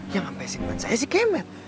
ya ngampe si ban saya si kemet